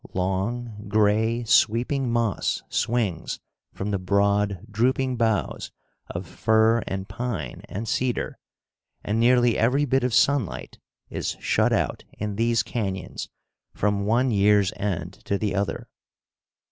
Long, gray, sweeping moss swings from the broad, drooping boughs of fir and pine and cedar and nearly every bit of sunlight is shut out in these canyons from one year's end to the other.